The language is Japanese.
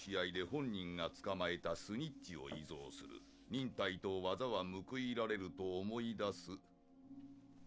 「本人が捕まえたスニッチを遺贈する」「忍耐と技は報いられると思い出す」